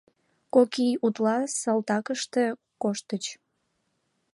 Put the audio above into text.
Кок ий утла салтакыште коштыч...